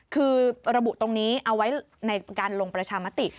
คือระบุตรงนี้เอาไว้ในการลงประชามติ